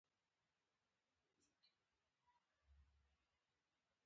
د دوی بانکونه په نړۍ کې باوري دي.